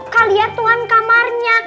kalian tuan kamarnya